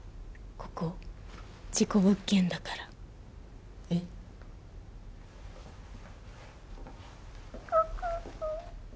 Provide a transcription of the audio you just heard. ここ事故物件だからえっククク